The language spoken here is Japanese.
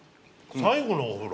「最後のお風呂」。